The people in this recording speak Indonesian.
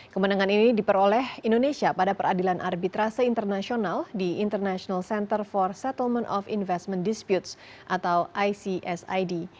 kemenangan ini diperoleh indonesia pada peradilan arbitrase internasional di international center for settlement of investment dispute atau icsid